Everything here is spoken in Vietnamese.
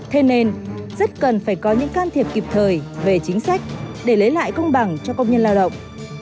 thế nên rất cần phải có những can thiệp kịp thời về chính sách để lấy lại công bằng cho công nhân lao động